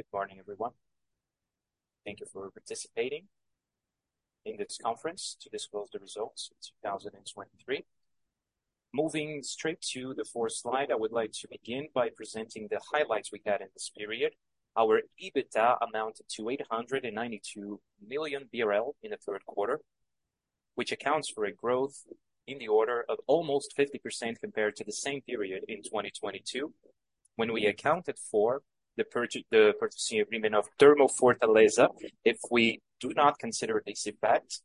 Good morning, everyone. Thank you for participating in this conference to disclose the results of 2023. Moving straight to the fourth slide, I would like to begin by presenting the highlights we had in this period. Our EBITDA amounted to 892 million BRL in the third quarter, which accounts for a growth in the order of almost 50% compared to the same period in 2022, when we accounted for the purchasing agreement of Termofortaleza. If we do not consider this impact,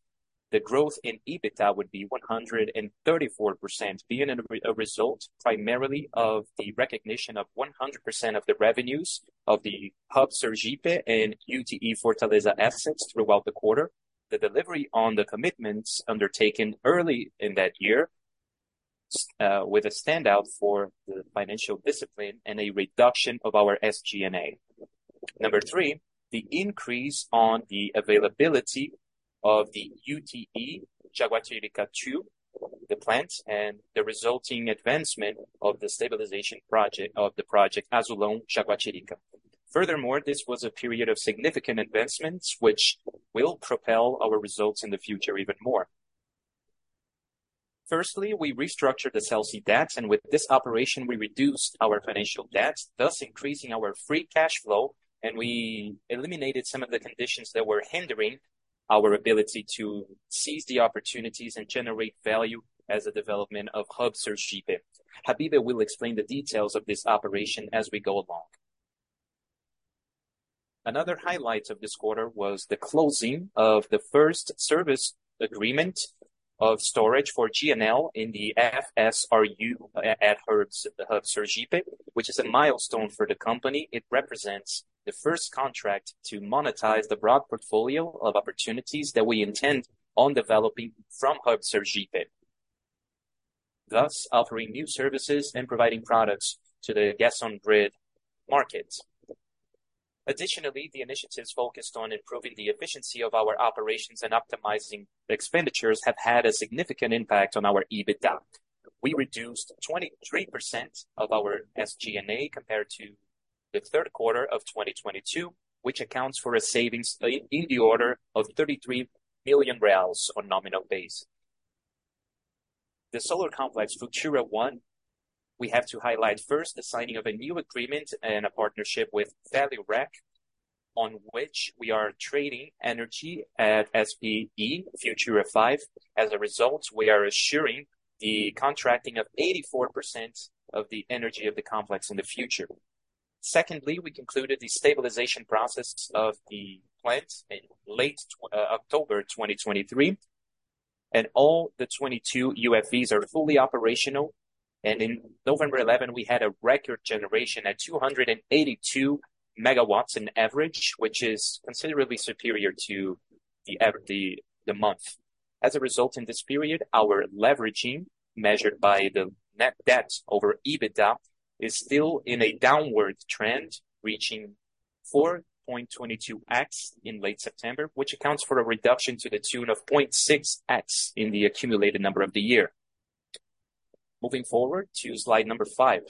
the growth in EBITDA would be 134%, being a result primarily of the recognition of 100% of the revenues of the Hub Sergipe and UTE Termofortaleza assets throughout the quarter. The delivery on the commitments undertaken early in that year, with a standout for the financial discipline and a reduction of our SG&A. Number three, the increase on the availability of the UTE Jaguatirica II plants, and the resulting advancement of the stabilization project, of the project Azulão Jaguatirica. Furthermore, this was a period of significant investments, which will propel our results in the future even more. Firstly, we restructured the Celse debts, and with this operation, we reduced our financial debts, thus increasing our free cash flow, and we eliminated some of the conditions that were hindering our ability to seize the opportunities and generate value as a development of Hub Sergipe. Habibe will explain the details of this operation as we go along. Another highlight of this quarter was the closing of the first service agreement of storage for GNL in the FSRU at Hub, Hub Sergipe, which is a milestone for the company. It represents the first contract to monetize the broad portfolio of opportunities that we intend on developing from Hub Sergipe, thus offering new services and providing products to the gas on grid markets. Additionally, the initiatives focused on improving the efficiency of our operations and optimizing the expenditures have had a significant impact on our EBITDA. We reduced 23% of our SG&A, compared to the third quarter of 2022, which accounts for a savings in the order of 33 million reais on a nominal basis. The Futura I solar complex, we have to highlight first the signing of a new agreement and a partnership with Vale, on which we are trading energy at SPE Futura V. As a result, we are assuring the contracting of 84% of the energy of the complex in the future. Secondly, we concluded the stabilization process of the plant in late October 2023, and all the 22 UFVs are fully operational. In November 11, we had a record generation at 282 megawatts on average, which is considerably superior to the average of the month. As a result, in this period, our leveraging, measured by the net debts over EBITDA, is still in a downward trend, reaching 4.22x in late September, which accounts for a reduction to the tune of 0.6x in the accumulated number of the year. Moving forward to slide number five.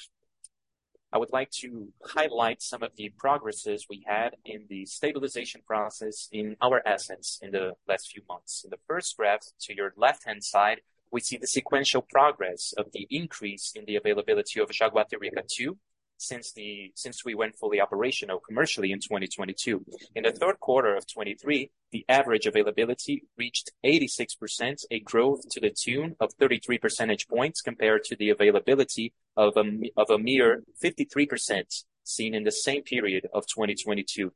I would like to highlight some of the progresses we had in the stabilization process in our assets in the last few months. In the first graph, to your left-hand side, we see the sequential progress of the increase in the availability of Jaguatirica II since we went fully operational commercially in 2022. In the third quarter of 2023, the average availability reached 86%, a growth to the tune of 33 percentage points compared to the availability of a mere 53% seen in the same period of 2022.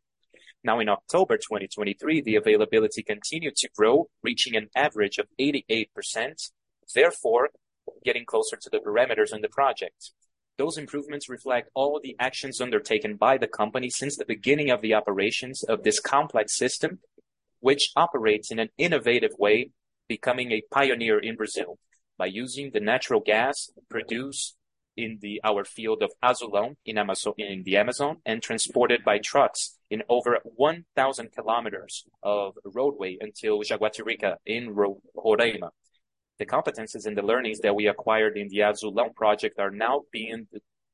Now, in October 2023, the availability continued to grow, reaching an average of 88%, therefore, getting closer to the parameters in the project. Those improvements reflect all the actions undertaken by the company since the beginning of the operations of this complex system, which operates in an innovative way, becoming a pioneer in Brazil, by using the natural gas produced in our field of Azulão, in Amazon, in the Amazon, and transported by trucks in over 1,000 kilometers of roadway until Jaguatirica, in Roraima. The competencies and the learnings that we acquired in the Azulão project are now being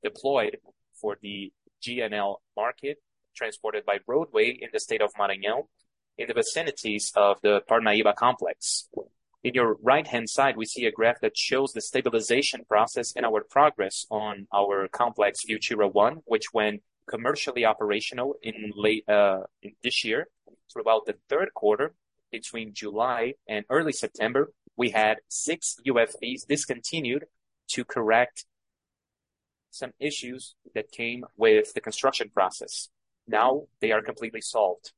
deployed for the GNL market, transported by roadway in the state of Maranhão, in the vicinities of the Parnaíba complex. In your right-hand side, we see a graph that shows the stabilization process and our progress on our complex Futura I, which went commercially operational in late this year. Throughout the third quarter, between July and early September, we had six UFVs discontinued to correct some issues that came with the construction process. Now they are completely solved.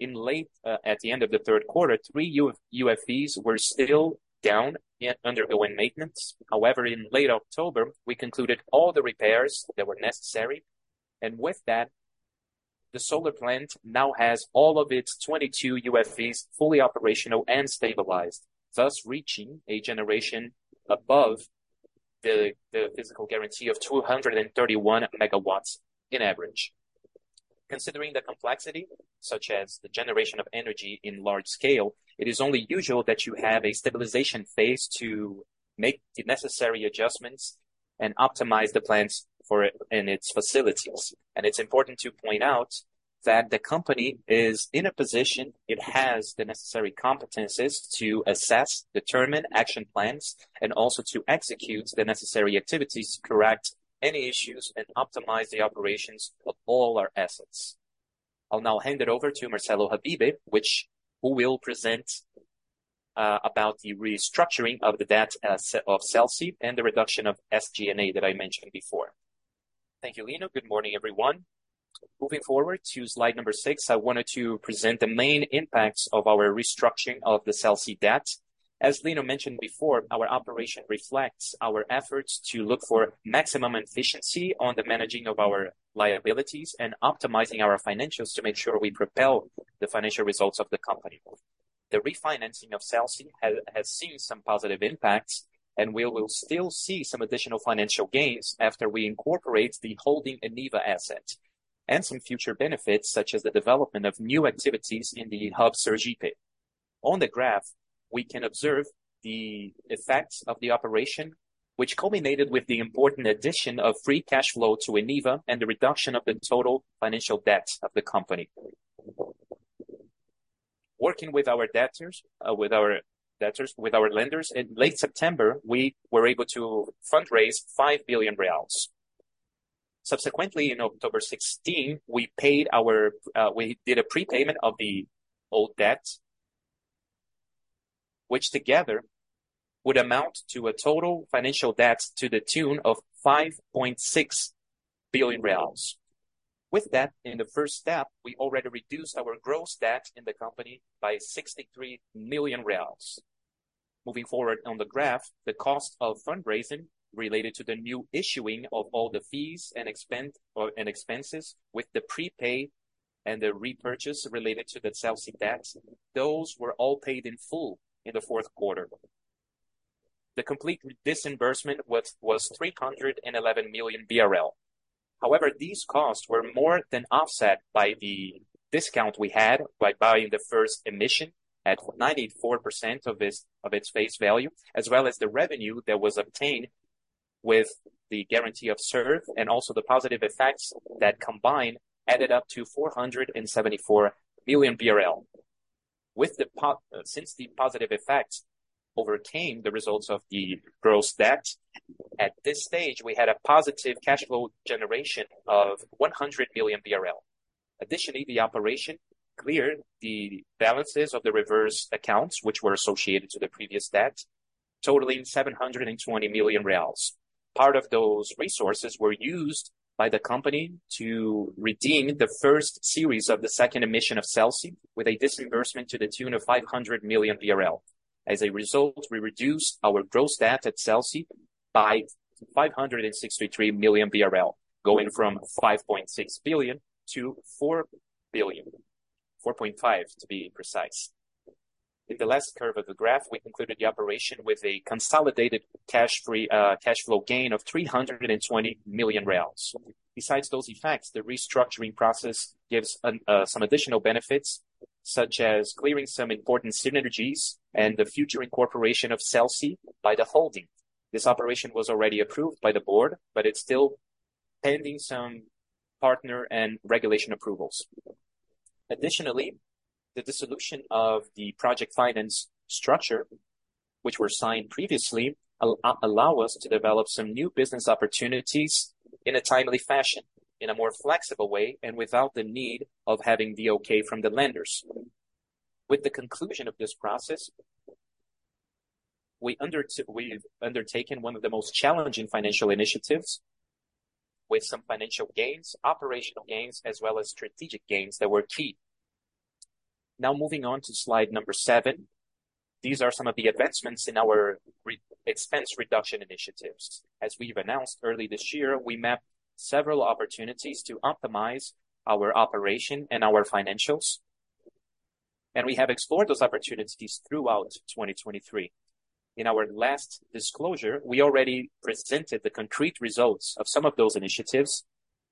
In late, at the end of the third quarter, three UFVs were still down and undergoing maintenance. However, in late October, we concluded all the repairs that were necessary, and with that, the solar plant now has all of its 22 UFVs fully operational and stabilized, thus reaching a generation above the physical guarantee of 231 MW in average. Considering the complexity, such as the generation of energy in large scale, it is only usual that you have a stabilization phase to make the necessary adjustments and optimize the plans for it and its facilities. It's important to point out that the company is in a position, it has the necessary competencies to assess, determine action plans, and also to execute the necessary activities to correct any issues and optimize the operations of all our assets. I'll now hand it over to Marcelo Habibe, who will present about the restructuring of the debt of Celse and the reduction of SG&A that I mentioned before. Thank you, Lino. Good morning, everyone. Moving forward to slide number six, I wanted to present the main impacts of our restructuring of the Celse debt. As Lino mentioned before, our operation reflects our efforts to look for maximum efficiency on the managing of our liabilities and optimizing our financials to make sure we propel the financial results of the company. The refinancing of Celse has seen some positive impacts, and we will still see some additional financial gains after we incorporate the holding Eneva asset, and some future benefits, such as the development of new activities in the Hub Sergipe. On the graph, we can observe the effects of the operation, which culminated with the important addition of free cash flow to Eneva and the reduction of the total financial debts of the company. Working with our debtors, with our lenders, in late September, we were able to fundraise 5 billion reais. Subsequently, in October 2016, we did a prepayment of the old debt, which together would amount to a total financial debt to the tune of 5.6 billion reais. With that, in the first step, we already reduced our gross debt in the company by 63 million reais. Moving forward on the graph, the cost of fundraising related to the new issuing of all the fees and expenditures and expenses with the prepaid and the repurchase related to the Celse debt, those were all paid in full in the fourth quarter. The complete disbursement was 311 million BRL. However, these costs were more than offset by the discount we had by buying the first emission at 94% of its face value, as well as the revenue that was obtained with the guarantee of Reserve, and also the positive effects that combined added up to 474 million BRL. Since the positive effects overcame the results of the gross debt, at this stage, we had a positive cash flow generation of 100 million BRL. Additionally, the operation cleared the balances of the reverse accounts, which were associated to the previous debt, totaling 720 million reais. Part of those resources were used by the company to redeem the first series of the second emission of Celse, with a disbursement to the tune of 500 million BRL. As a result, we reduced our gross debt at Celse by 563 million BRL, going from 5.6 billion to 4.4 billion, to be precise. In the last curve of the graph, we concluded the operation with a consolidated cash free cash flow gain of 320 million. Besides those effects, the restructuring process gives some additional benefits, such as clearing some important synergies and the future incorporation of Celse by the holding. This operation was already approved by the board, but it's still pending some partner and regulation approvals. Additionally, the dissolution of the project finance structure, which were signed previously, allow us to develop some new business opportunities in a timely fashion, in a more flexible way, and without the need of having the okay from the lenders. With the conclusion of this process, we've undertaken one of the most challenging financial initiatives with some financial gains, operational gains, as well as strategic gains that were key. Now, moving on to slide number seven. These are some of the advancements in our expense reduction initiatives. As we've announced early this year, we mapped several opportunities to optimize our operation and our financials, and we have explored those opportunities throughout 2023. In our last disclosure, we already presented the concrete results of some of those initiatives,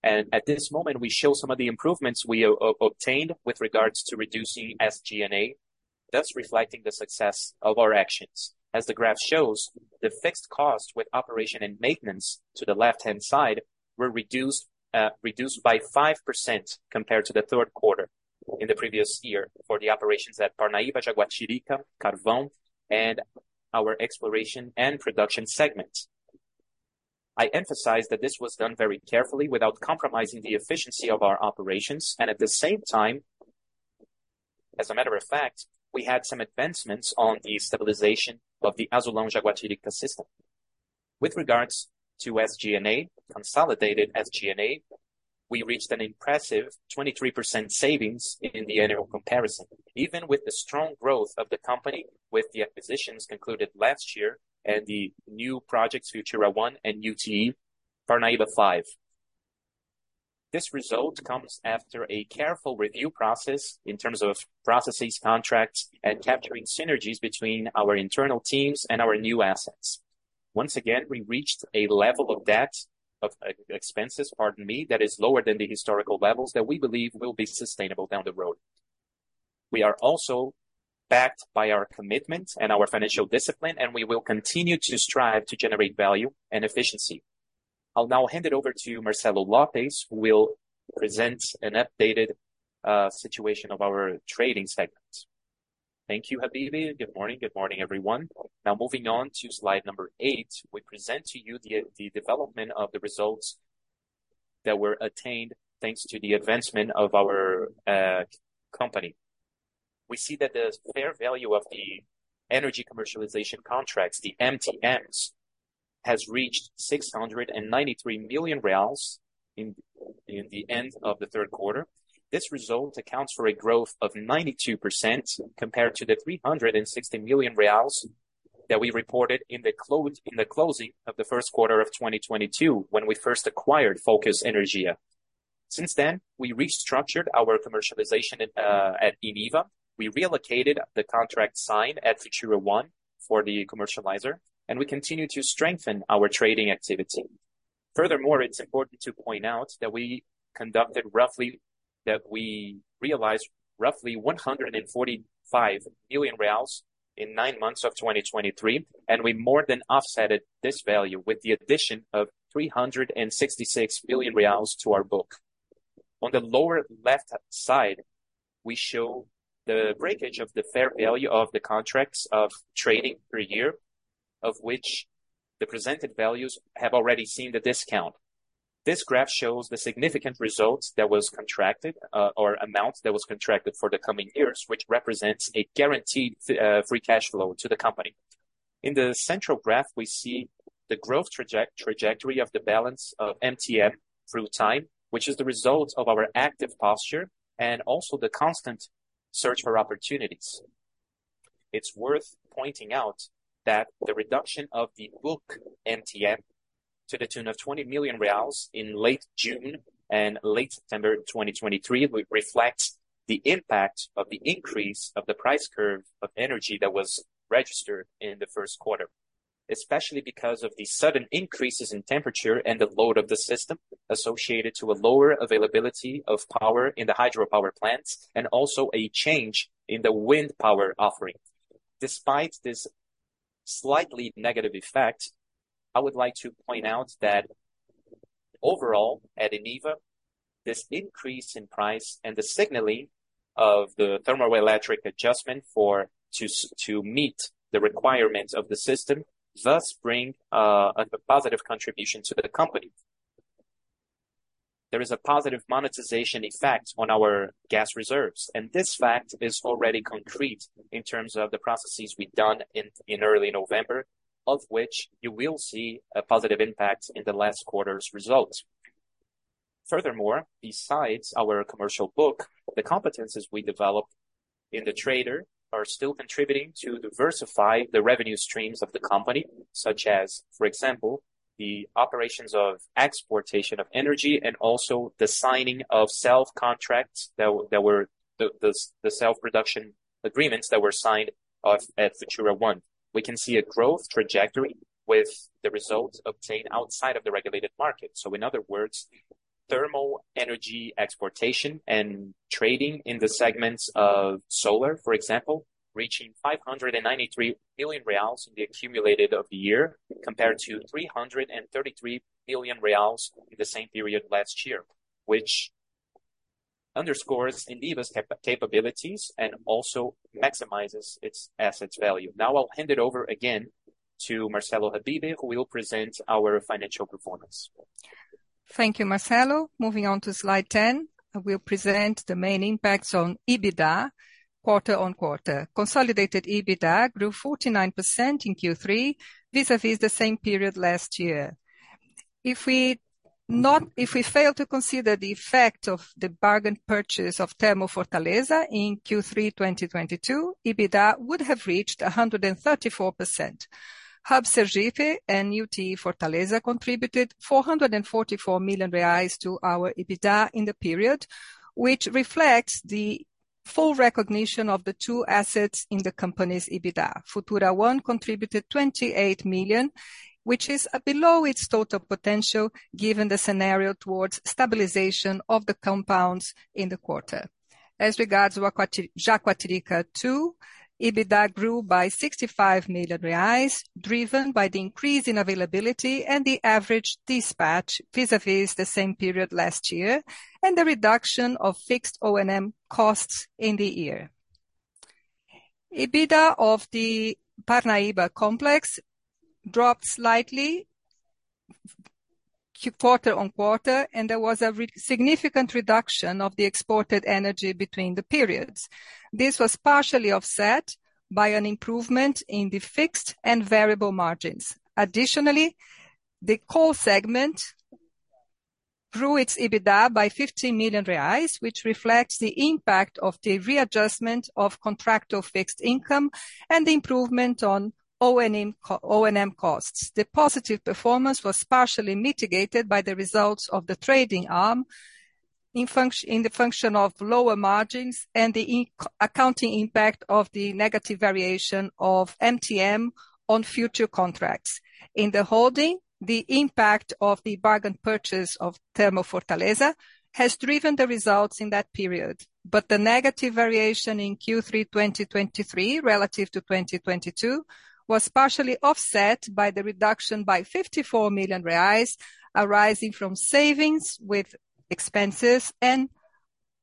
and at this moment, we show some of the improvements we obtained with regards to reducing SG&A, thus reflecting the success of our actions. As the graph shows, the fixed cost with operation and maintenance to the left-hand side were reduced by 5% compared to the third quarter in the previous year for the operations at Parnaíba, Jaguatirica, Carvão, and our exploration and production segment. I emphasize that this was done very carefully, without compromising the efficiency of our operations, and at the same time, as a matter of fact, we had some advancements on the stabilization of the Azulão-Jaguatirica system. With regards to SG&A, consolidated SG&A, we reached an impressive 23% savings in the annual comparison. Even with the strong growth of the company, with the acquisitions concluded last year and the new projects, Futura I and UTE Parnaíba V. This result comes after a careful review process in terms of processes, contracts, and capturing synergies between our internal teams and our new assets. Once again, we reached a level of debt, of SG&A expenses, pardon me, that is lower than the historical levels that we believe will be sustainable down the road.... We are also backed by our commitment and our financial discipline, and we will continue to strive to generate value and efficiency. I'll now hand it over to Marcelo Lopes, who will present an updated situation of our trading segments. Thank you, Habibe. Good morning. Good morning, everyone. Now moving on to slide number eight, we present to you the development of the results that were attained thanks to the advancement of our company. We see that the fair value of the energy commercialization contracts, the MTMs, has reached 693 million reais in the end of the third quarter. This result accounts for a growth of 92% compared to the 360 million reais that we reported in the closing of the first quarter of 2022, when we first acquired Focus Energia. Since then, we restructured our commercialization at Eneva. We relocated the contract signed at Futura I for the commercializer, and we continued to strengthen our trading activity. Furthermore, it's important to point out that we conducted roughly—that we realized roughly 145 million reais in nine months of 2023, and we more than offset this value with the addition of 366 million reais to our book. On the lower left side, we show the breakdown of the fair value of the contracts of trading per year, of which the presented values have already seen the discount. This graph shows the significant results that was contracted, or amounts that was contracted for the coming years, which represents a guaranteed free cash flow to the company. In the central graph, we see the growth trajectory of the balance of MTM through time, which is the result of our active posture and also the constant search for opportunities. It's worth pointing out that the reduction of the book MTM to the tune of 20 million reais in late June and late September 2023 re-reflects the impact of the increase of the price curve of energy that was registered in the first quarter. Especially because of the sudden increases in temperature and the load of the system associated to a lower availability of power in the hydropower plants, and also a change in the wind power offering. Despite this slightly negative effect, I would like to point out that overall, at Eneva, this increase in price and the signaling of the thermoelectric adjustment for to meet the requirements of the system thus bring a positive contribution to the company. There is a positive monetization effect on our gas reserves, and this fact is already concrete in terms of the processes we've done in early November, of which you will see a positive impact in the last quarter's results. Furthermore, besides our commercial book, the competencies we developed in the trader are still contributing to diversify the revenue streams of the company, such as, for example, the operations of exportation of energy and also the signing of sales contracts that were the self-production agreements that were signed of at Futura I. We can see a growth trajectory with the results obtained outside of the regulated market. So in other words, thermal energy exportation and trading in the segments of solar, for example, reaching 593 million reais in the accumulated of the year, compared to 333 million reais in the same period last year, which underscores Eneva's capabilities and also maximizes its assets value. Now I'll hand it over again to Marcelo Habibe, who will present our financial performance. Thank you, Marcelo. Moving on to slide 10, I will present the main impacts on EBITDA quarter on quarter. Consolidated EBITDA grew 49% in Q3 vis-à-vis the same period last year. If we fail to consider the effect of the bargain purchase of Termofortaleza in Q3 2022, EBITDA would have reached 134%. Hub Sergipe and UTE Termofortaleza contributed 444 million reais to our EBITDA in the period, which reflects the full recognition of the two assets in the company's EBITDA. Futura I contributed 28 million, which is below its total potential, given the scenario towards stabilization of the compounds in the quarter. As regards Jaguatirica II, EBITDA grew by 65 million reais, driven by the increase in availability and the average dispatch vis-à-vis the same period last year, and the reduction of fixed O&M costs in the year. EBITDA of the Parnaíba Complex dropped slightly quarter-over-quarter, and there was a significant reduction of the exported energy between the periods. This was partially offset by an improvement in the fixed and variable margins. Additionally, the coal segment grew its EBITDA by 50 million reais, which reflects the impact of the readjustment of contractual fixed income and the improvement on O&M costs. The positive performance was partially mitigated by the results of the trading arm in the function of lower margins and the accounting impact of the negative variation of MTM on future contracts. In the holding, the impact of the bargain purchase of Termofortaleza has driven the results in that period. But the negative variation in Q3 2023, relative to 2022, was partially offset by the reduction by 54 million reais, arising from savings with expenses and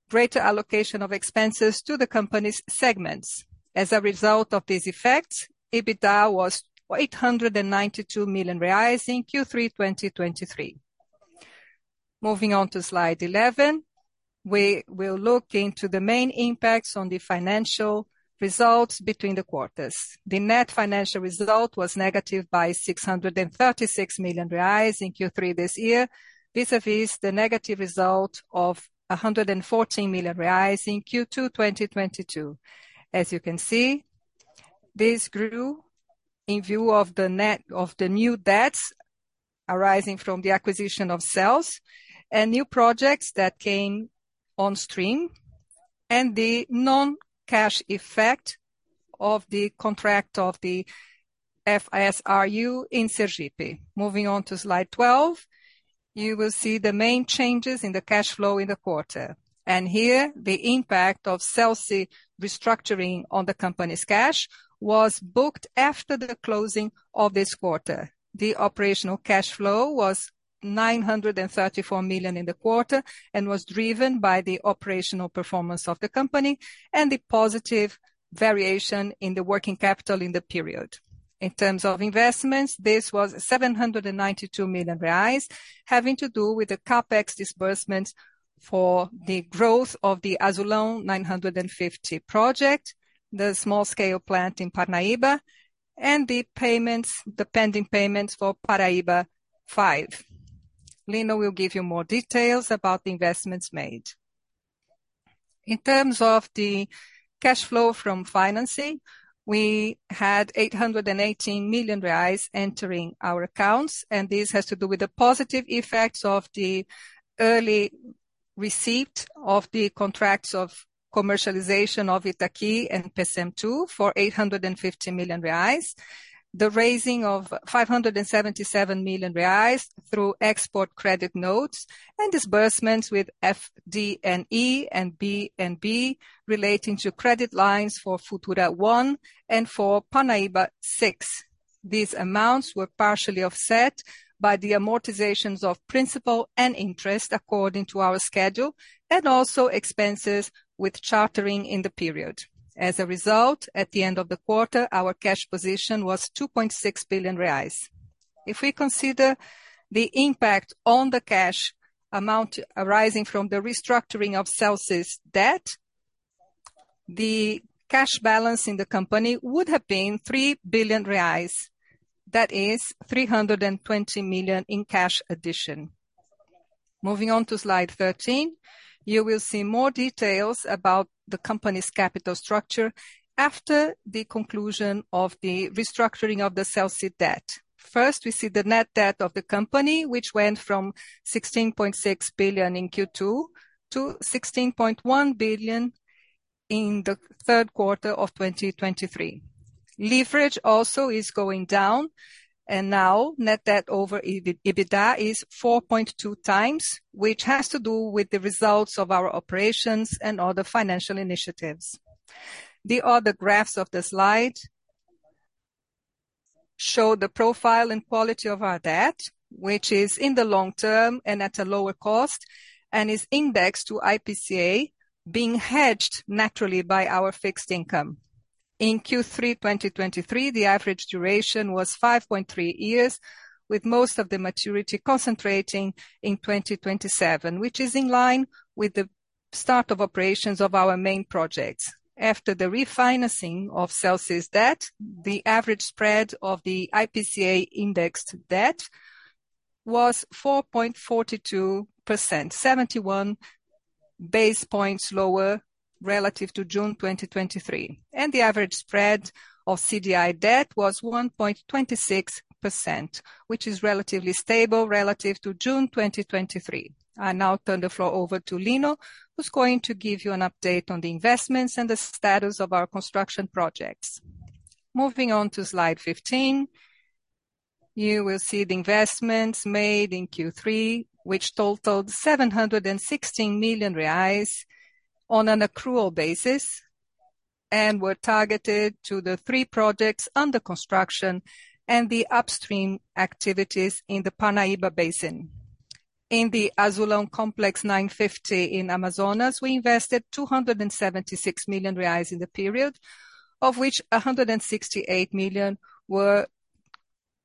greater allocation of expenses to the company's segments. As a result of this effect, EBITDA was 892 million reais in Q3 2023. Moving on to slide 11, we will look into the main impacts on the financial results between the quarters. The net financial result was negative by 636 million reais in Q3 this year, vis-a-vis the negative result of 114 million reais in Q2 2022. As you can see, this grew in view of the net of the new debts arising from the acquisition of Celse and new projects that came on stream, and the non-cash effect of the contract of the FSRU in Sergipe. Moving on to slide 12, you will see the main changes in the cash flow in the quarter. And here, the impact of Celse restructuring on the company's cash was booked after the closing of this quarter. The operational cash flow was 934 million in the quarter, and was driven by the operational performance of the company and the positive variation in the working capital in the period. In terms of investments, this was 792 million reais, having to do with the CapEx disbursement for the growth of the Azulão 950 project, the small-scale plant in Parnaíba, and the payments, the pending payments for Parnaíba V. Lino will give you more details about the investments made. In terms of the cash flow from financing, we had 818 million reais entering our accounts, and this has to do with the positive effects of the early receipt of the contracts of commercialization of Itaqui and Pecém II for 850 million reais. The raising of 577 million reais through export credit notes and disbursements with FDNE and BNB relating to credit lines for Futura I and for Parnaíba VI. These amounts were partially offset by the amortizations of principal and interest according to our schedule, and also expenses with chartering in the period. As a result, at the end of the quarter, our cash position was 2.6 billion reais. If we consider the impact on the cash amount arising from the restructuring of Celse's debt, the cash balance in the company would have been 3 billion reais. That is 320 million in cash addition. Moving on to slide 13, you will see more details about the company's capital structure after the conclusion of the restructuring of the Celse debt. First, we see the net debt of the company, which went from 16.6 billion in Q2 to 16.1 billion in the third quarter of 2023. Leverage also is going down, and now net debt over EBITDA is 4.2x, which has to do with the results of our operations and other financial initiatives. The other graphs of the slide show the profile and quality of our debt, which is in the long term and at a lower cost, and is indexed to IPCA, being hedged naturally by our fixed income. In Q3 2023, the average duration was 5.3 years, with most of the maturity concentrating in 2027, which is in line with the start of operations of our main projects. After the refinancing of Celse's debt, the average spread of the IPCA indexed debt was 4.42%, 71 basis points lower relative to June 2023. The average spread of CDI debt was 1.26%, which is relatively stable relative to June 2023. I now turn the floor over to Lino, who's going to give you an update on the investments and the status of our construction projects. Moving on to slide 15, you will see the investments made in Q3, which totaled 716 million reais on an accrual basis, and were targeted to the three projects under construction and the upstream activities in the Parnaíba Basin. In the Azulão Complex 950 in Amazonas, we invested 276 million reais in the period, of which 168 million were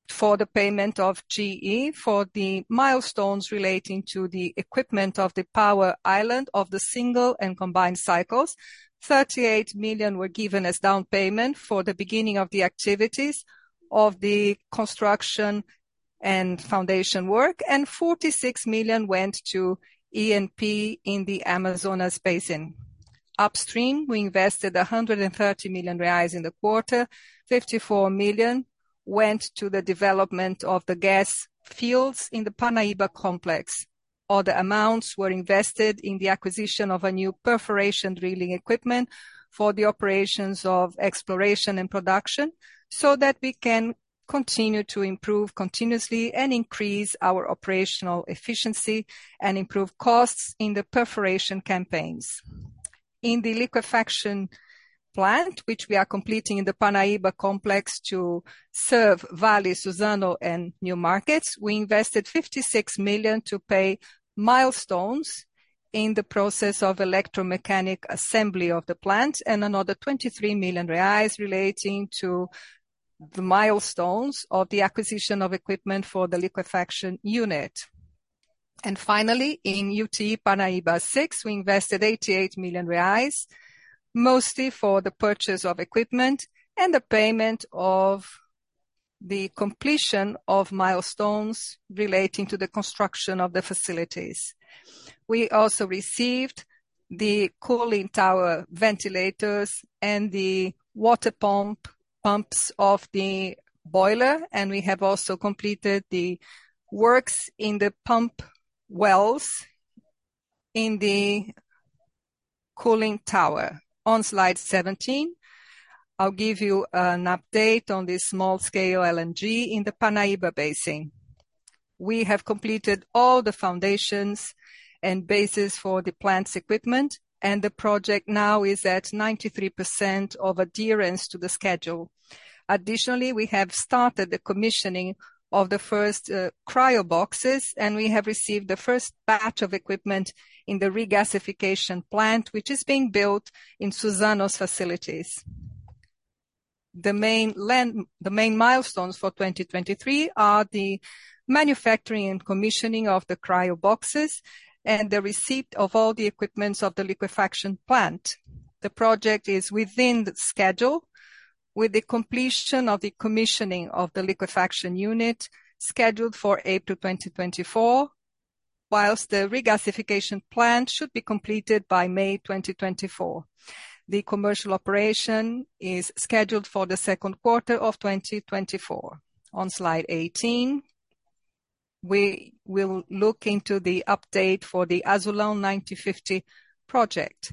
for the payment of GE for the milestones relating to the equipment of the power island of the single and combined cycles. 38 million were given as down payment for the beginning of the activities of the construction and foundation work, and 46 million went to E&P in the Amazonas Basin. Upstream, we invested 130 million reais in the quarter. 54 million went to the development of the gas fields in the Parnaíba Complex. Other amounts were invested in the acquisition of a new perforation drilling equipment for the operations of exploration and production, so that we can continue to improve continuously and increase our operational efficiency and improve costs in the perforation campaigns. In the liquefaction plant, which we are completing in the Parnaíba Complex to serve Vale, Suzano, and new markets, we invested 56 million to pay milestones in the process of electromechanic assembly of the plant, and another 23 million reais relating to the milestones of the acquisition of equipment for the liquefaction unit. And finally, in UT Parnaíba VI, we invested 88 million reais, mostly for the purchase of equipment and the payment of the completion of milestones relating to the construction of the facilities. We also received the cooling tower ventilators and the water pump, pumps of the boiler, and we have also completed the works in the pump wells in the cooling tower. On slide 17, I'll give you an update on the small scale LNG in the Parnaíba Basin. We have completed all the foundations and bases for the plant's equipment, and the project now is at 93% of adherence to the schedule. Additionally, we have started the commissioning of the first, cryo boxes, and we have received the first batch of equipment in the regasification plant, which is being built in Suzano's facilities. The main milestones for 2023 are the manufacturing and commissioning of the cryo boxes and the receipt of all the equipment of the liquefaction plant. The project is within schedule, with the completion of the commissioning of the liquefaction unit scheduled for April 2024, while the regasification plant should be completed by May 2024. The commercial operation is scheduled for the second quarter of 2024. On slide 18, we will look into the update for the Azulão 950 project.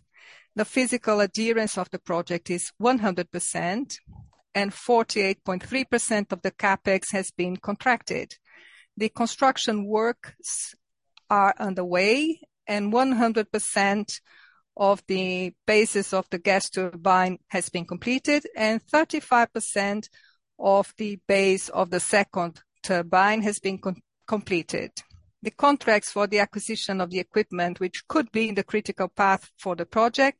The physical adherence of the project is 100%, and 48.3% of the CapEx has been contracted. The construction works are underway, and 100% of the bases of the gas turbine has been completed, and 35% of the base of the second turbine has been completed. The contracts for the acquisition of the equipment, which could be in the critical path for the project,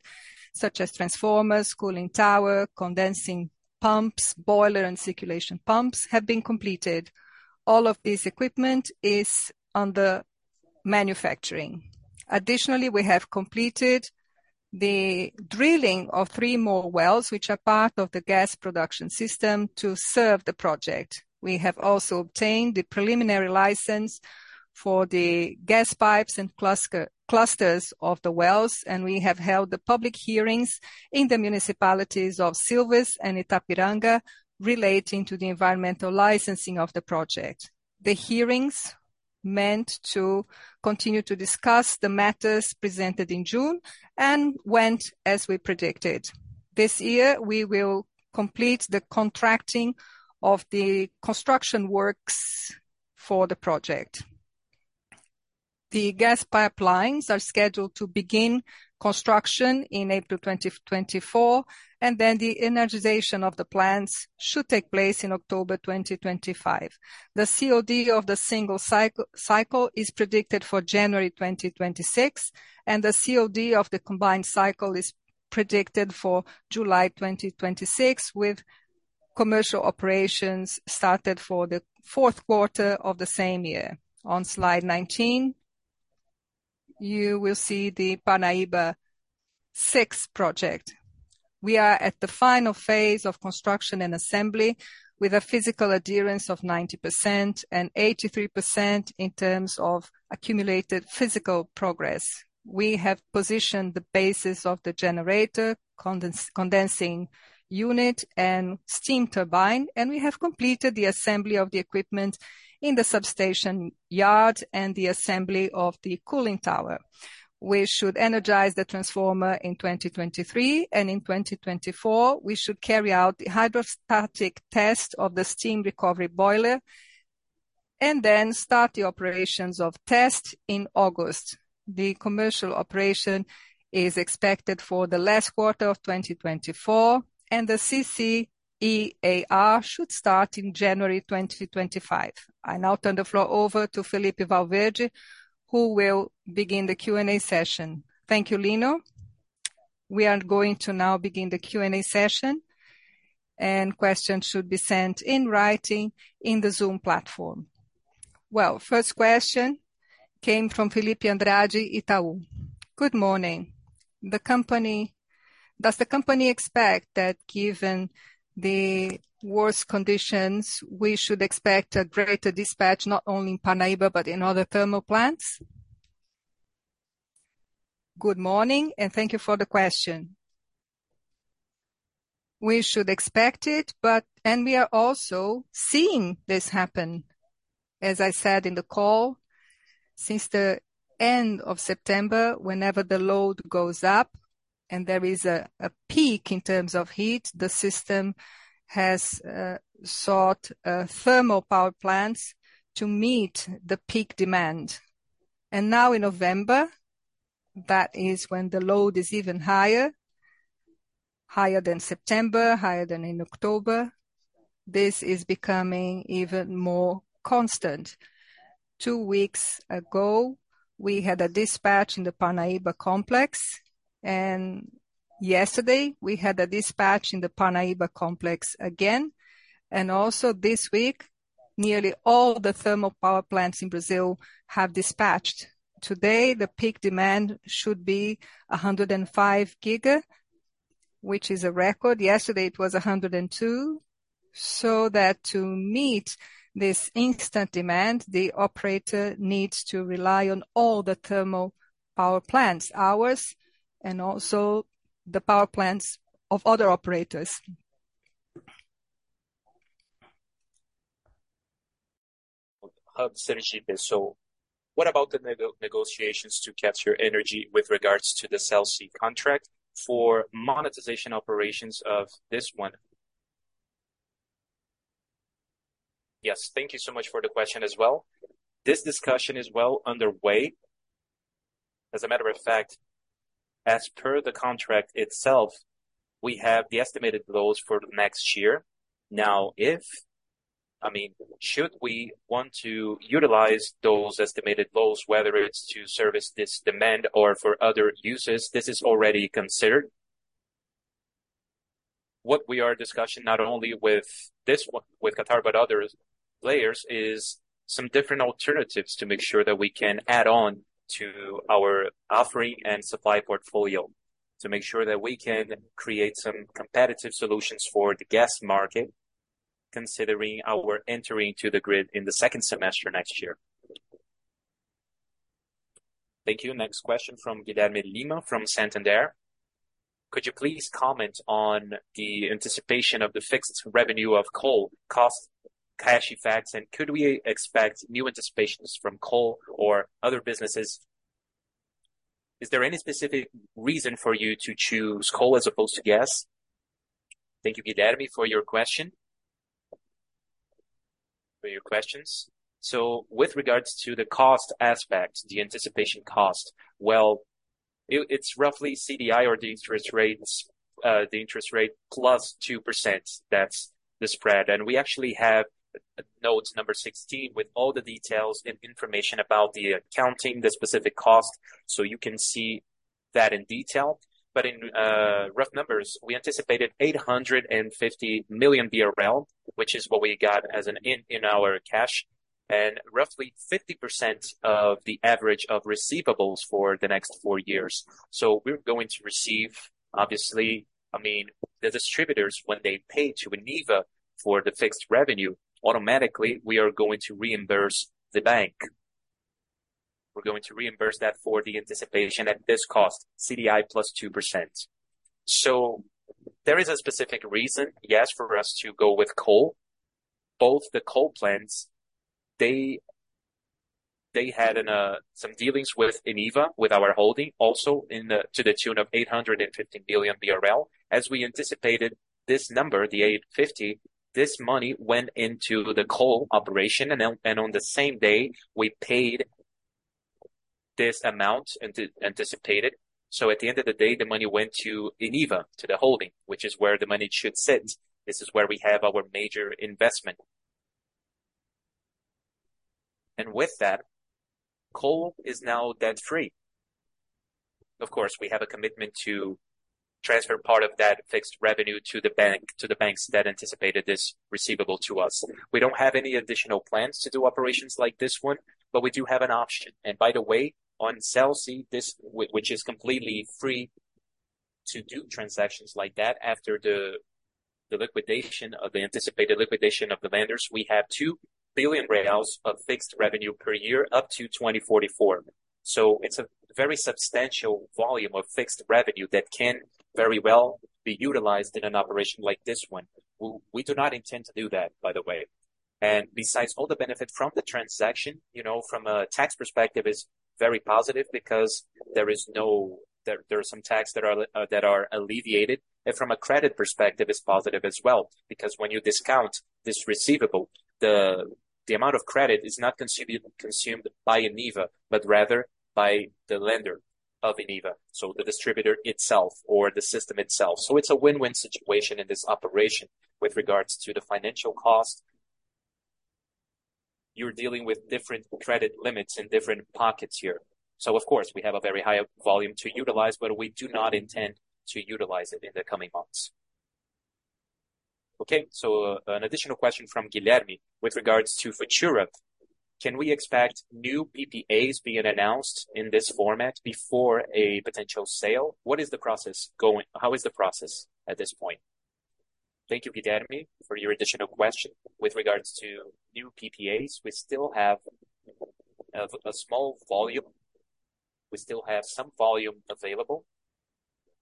such as transformers, cooling tower, condensing pumps, boiler, and circulation pumps, have been completed. All of this equipment is under manufacturing. Additionally, we have completed the drilling of three more wells, which are part of the gas production system to serve the project. We have also obtained the preliminary license for the gas pipes and clusters of the wells, and we have held the public hearings in the municipalities of Silves and Itapiranga, relating to the environmental licensing of the project. The hearings meant to continue to discuss the matters presented in June and went as we predicted. This year, we will complete the contracting of the construction works for the project. The gas pipelines are scheduled to begin construction in April 2024, and then the energization of the plants should take place in October 2025. The COD of the single cycle is predicted for January 2026, and the COD of the combined cycle is predicted for July 2026, with commercial operations started for the fourth quarter of the same year. On slide 19, you will see the Parnaíba VI project. We are at the final phase of construction and assembly, with a physical adherence of 90% and 83% in terms of accumulated physical progress. We have positioned the bases of the generator, condensing unit, and steam turbine, and we have completed the assembly of the equipment in the substation yard and the assembly of the cooling tower. We should energize the transformer in 2023, and in 2024, we should carry out the hydrostatic test of the steam recovery boiler, and then start the operations of test in August. The commercial operation is expected for the last quarter of 2024, and the CCEAR should start in January 2025. I now turn the floor over to Felippe Valverde, who will begin the Q&A session. Thank you, Lino. We are going to now begin the Q&A session, and questions should be sent in writing in the Zoom platform. Well, first question came from Fellipe Andrade, Itaú. Good morning. Does the company expect that given the worse conditions, we should expect a greater dispatch, not only in Parnaíba, but in other thermal plants? Good morning, and thank you for the question. We should expect it, but—and we are also seeing this happen. As I said in the call, since the end of September, whenever the load goes up and there is a peak in terms of heat, the system has sought thermal power plants to meet the peak demand. And now in November, that is when the load is even higher, higher than September, higher than in October, this is becoming even more constant. Two weeks ago, we had a dispatch in the Parnaíba Complex, and yesterday we had a dispatch in the Parnaíba Complex again. And also this week, nearly all the thermal power plants in Brazil have dispatched. Today, the peak demand should be 105 giga, which is a record. Yesterday it was 102. So that to meet this instant demand, the operator needs to rely on all the thermal power plants, ours, and also the power plants of other operators. Hub Sergipe. So what about the negotiations to capture energy with regards to the Celse contract for monetization operations of this one? Yes, thank you so much for the question as well. This discussion is well underway. As a matter of fact, as per the contract itself, we have the estimated goals for next year. Now, if... I mean, should we want to utilize those estimated goals, whether it's to service this demand or for other uses, this is already considered. What we are discussing, not only with this one, with Qatar, but other layers, is some different alternatives to make sure that we can add on to our offering and supply portfolio, to make sure that we can create some competitive solutions for the gas market, considering our entering to the grid in the second semester next year. Thank you. Next question from Guilherme Lima, from Santander. Could you please comment on the anticipation of the fixed revenue of coal cost, cash effects, and could we expect new anticipations from coal or other businesses? Is there any specific reason for you to choose coal as opposed to gas? Thank you, Guilherme, for your question. For your questions. So with regards to the cost aspect, the anticipation cost, well, it, it's roughly CDI or the interest rates, the interest rate plus 2%, that's the spread. We actually have notes number 16, with all the details and information about the accounting, the specific cost, so you can see that in detail. But in rough numbers, we anticipated 850 million BRL, which is what we got as an inflow in our cash, and roughly 50% of the average of receivables for the next four years. So we're going to receive, obviously, I mean, the distributors, when they pay to Eneva for the fixed revenue, automatically, we are going to reimburse the bank. We're going to reimburse that for the anticipation at this cost, CDI + 2%. So there is a specific reason, yes, for us to go with coal. Both the coal plants, they had some dealings with Eneva, with our holding, also in the to the tune of 850 million BRL. As we anticipated this number, the 850, this money went into the coal operation, and then and on the same day, we paid this amount and anticipated. So at the end of the day, the money went to Eneva, to the holding, which is where the money should sit. This is where we have our major investment. And with that, coal is now debt-free. Of course, we have a commitment to transfer part of that fixed revenue to the bank, to the banks that anticipated this receivable to us. We don't have any additional plans to do operations like this one, but we do have an option. And by the way, on Celse, which is completely free to do transactions like that, after the liquidation of the anticipated liquidation of the lenders, we have 2 billion reais of fixed revenue per year, up to 2044. So it's a very substantial volume of fixed revenue that can very well be utilized in an operation like this one. We, we do not intend to do that, by the way. And besides, all the benefit from the transaction, you know, from a tax perspective, is very positive because there is no - there, there are some taxes that are that are alleviated. And from a credit perspective, it's positive as well, because when you discount this receivable, the, the amount of credit is not consumed by Eneva, but rather by the lender of Eneva, so the distributor itself or the system itself. So it's a win-win situation in this operation. With regards to the financial cost, you're dealing with different credit limits in different pockets here. So of course, we have a very high volume to utilize, but we do not intend to utilize it in the coming months. Okay, so, an additional question from Guilherme. With regards to Futura, can we expect new PPAs being announced in this format before a potential sale? What is the process going? How is the process at this point? Thank you, Guilherme, for your additional question. With regards to new PPAs, we still have, a small volume. We still have some volume available,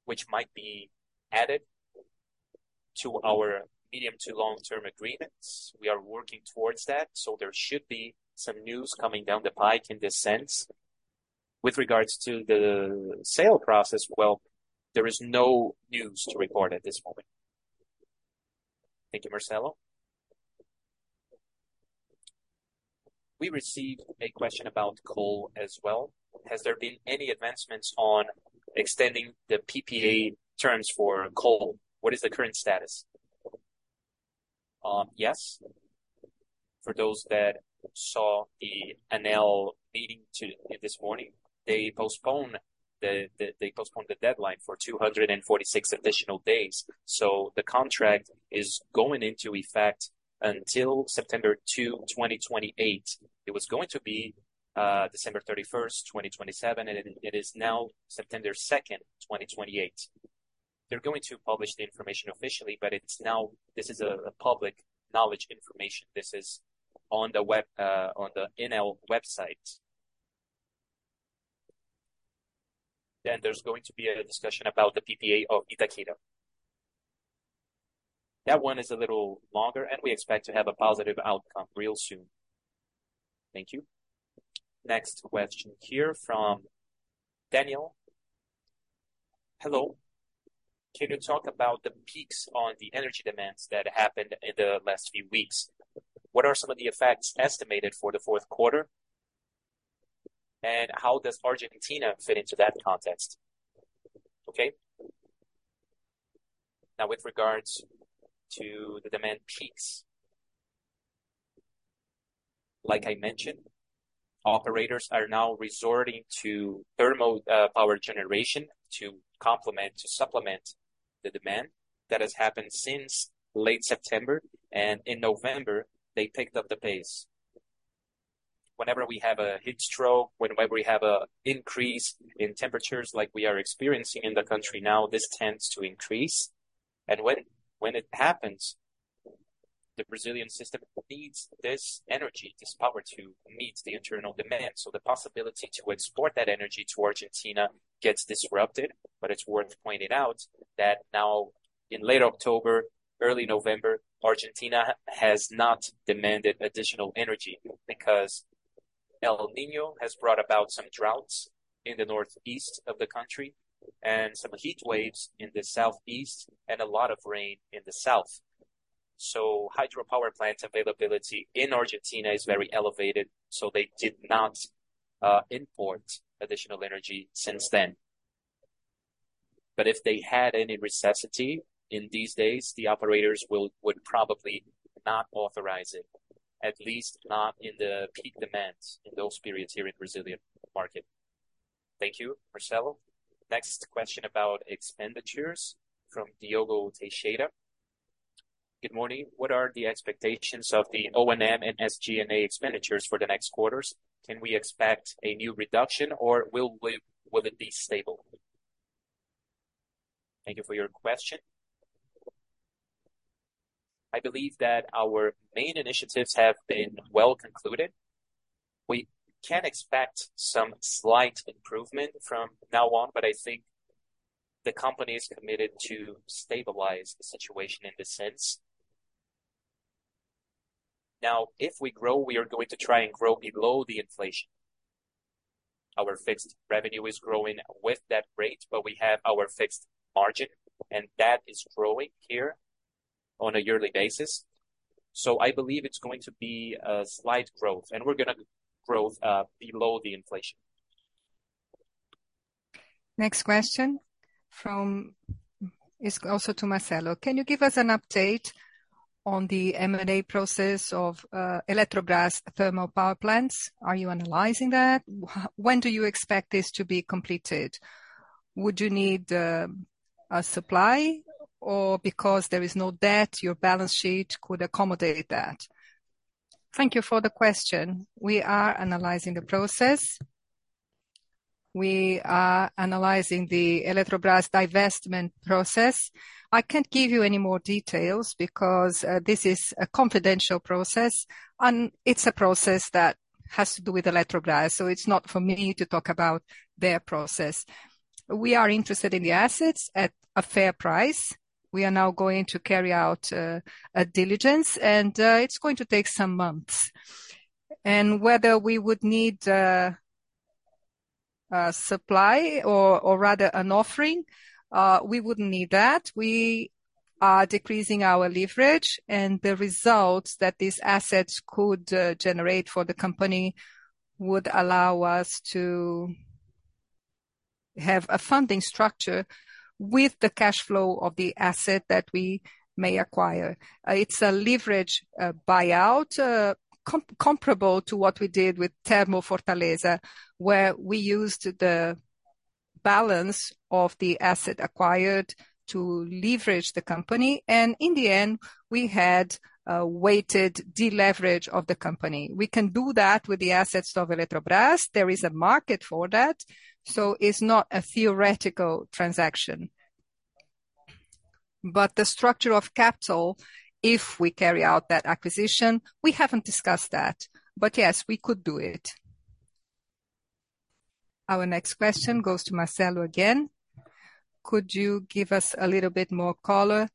which might be added to our medium to long-term agreements. We are working towards that, so there should be some news coming down the pike in this sense. With regards to the sale process, well, there is no news to report at this moment. Thank you, Marcelo. We received a question about coal as well. Has there been any advancements on extending the PPA terms for coal? What is the current status? Yes. For those that saw the ANEEL meeting this morning, they postponed the deadline for 246 additional days. So the contract is going into effect until September 2, 2028. It was going to be December 31, 2027, and it is now September 2, 2028. They're going to publish the information officially, but it's now this is a public knowledge information. This is on the web on the ANEEL website. Then there's going to be a discussion about the PPA of Itaqui. That one is a little longer, and we expect to have a positive outcome real soon. Thank you. Next question here from Daniel. Hello. Can you talk about the peaks on the energy demands that happened in the last few weeks? What are some of the effects estimated for the fourth quarter, and how does Argentina fit into that context? Okay. Now, with regards to the demand peaks, like I mentioned, operators are now resorting to thermal power generation to complement, to supplement the demand. That has happened since late September, and in November, they picked up the pace. Whenever we have a heat stroke, whenever we have an increase in temperatures like we are experiencing in the country now, this tends to increase. And when it happens, the Brazilian system needs this energy, this power, to meet the internal demand. So the possibility to export that energy to Argentina gets disrupted. But it's worth pointing out that now in late October, early November, Argentina has not demanded additional energy because El Niño has brought about some droughts in the northeast of the country and some heatwaves in the southeast and a lot of rain in the south. So hydropower plant availability in Argentina is very elevated, so they did not import additional energy since then. But if they had any necessity in these days, the operators would probably not authorize it, at least not in the peak demands in those periods here in Brazilian market. Thank you, Marcelo. Next question about expenditures from Diogo Teixeira. Good morning. What are the expectations of the O&M and SG&A expenditures for the next quarters? Can we expect a new reduction, or will it be stable? Thank you for your question. I believe that our main initiatives have been well concluded. We can expect some slight improvement from now on, but I think the company is committed to stabilize the situation in this sense. Now, if we grow, we are going to try and grow below the inflation. Our fixed revenue is growing with that rate, but we have our fixed margin, and that is growing here on a yearly basis. So I believe it's going to be a slight growth, and we're gonna growth below the inflation. Next question from... It's also to Marcelo. Can you give us an update on the M&A process of, Eletrobras thermal power plants? Are you analyzing that? When do you expect this to be completed? Would you need, a supply, or because there is no debt, your balance sheet could accommodate that? Thank you for the question. We are analyzing the process. We are analyzing the Eletrobras divestment process. I can't give you any more details because, this is a confidential process, and it's a process that has to do with Eletrobras, so it's not for me to talk about their process. We are interested in the assets at a fair price. We are now going to carry out, a diligence, and, it's going to take some months. Whether we would need a supply or rather an offering, we wouldn't need that. We are decreasing our leverage, and the results that these assets could generate for the company would allow us to have a funding structure with the cash flow of the asset that we may acquire. It's a leverage buyout comparable to what we did with Termofortaleza, where we used the balance of the asset acquired to leverage the company, and in the end, we had a weighted deleverage of the company. We can do that with the assets of Eletrobras. There is a market for that, so it's not a theoretical transaction. But the structure of capital, if we carry out that acquisition, we haven't discussed that. But yes, we could do it. Our next question goes to Marcelo again: Could you give us a little bit more color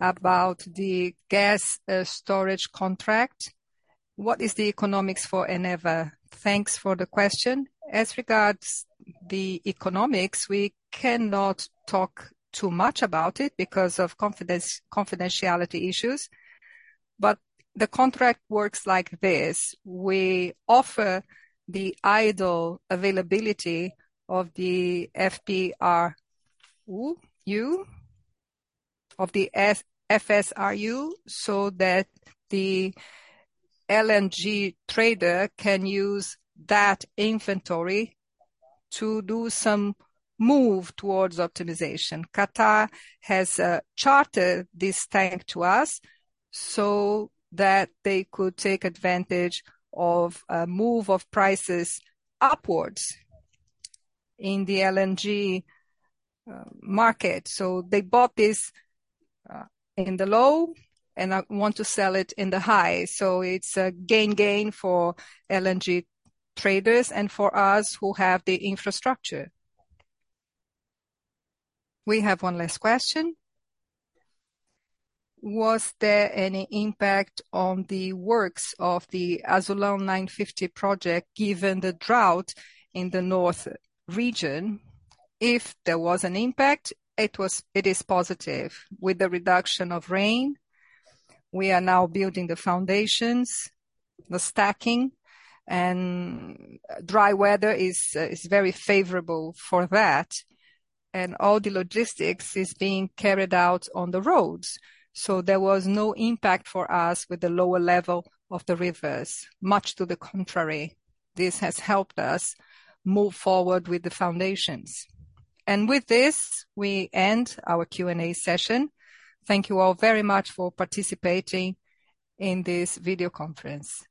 about the gas storage contract? What is the economics for Eneva? Thanks for the question. As regards the economics, we cannot talk too much about it because of confidentiality issues, but the contract works like this: we offer the idle availability of the FSRU, so that the LNG trader can use that inventory to do some move towards optimization. Qatar has chartered this tank to us so that they could take advantage of a move of prices upwards in the LNG market. So they bought this in the low, and want to sell it in the high. So it's a gain-gain for LNG traders and for us who have the infrastructure. We have one last question: Was there any impact on the works of the Azulão 950 project, given the drought in the north region? If there was an impact, it was. It is positive. With the reduction of rain, we are now building the foundations, the stacking, and dry weather is very favorable for that, and all the logistics is being carried out on the roads. So there was no impact for us with the lower level of the rivers. Much to the contrary, this has helped us move forward with the foundations. With this, we end our Q&A session. Thank you all very much for participating in this video conference.